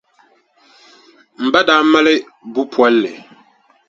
M ba daa mali buʼ polli.